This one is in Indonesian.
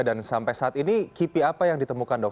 dan sampai saat ini kipi apa yang ditemukan dok